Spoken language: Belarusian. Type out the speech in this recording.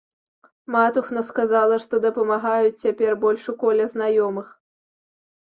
Матухна сказала, што дапамагаюць цяпер больш у коле знаёмых.